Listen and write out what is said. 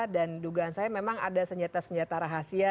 dan dugaan saya memang ada senjata senjata rahasia